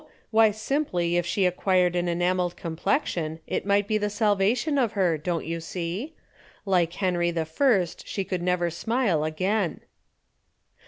Why simply if she acquired an enamelled complexion, it might be the salvation of her, don't you see? Like Henry I., she could never smile again."